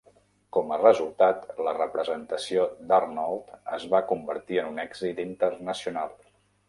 Com a resultat, la representació d'Arnold es va convertir en un èxit internacional.